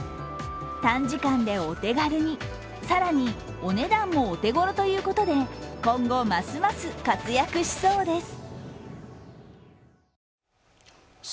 短時間でお手軽に、更にお値段もお手頃ということで今後ますます活躍しそうです。